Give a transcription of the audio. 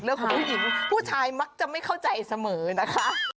เรื่องของผู้หญิงผู้ชายมักจะไม่เข้าใจเสมอนะคะ